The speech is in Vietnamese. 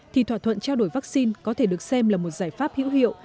thì thỏa thuận trao đổi vaccine có thể được xem là một giải pháp hữu hiệu